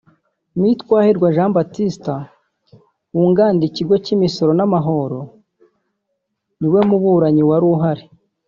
Me Twahirwa Jean Baptiste wunganira Ikigo cy’Imisoro n’Amahoro ni we mu baburanyi wari uhari